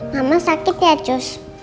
mama sakit ya cus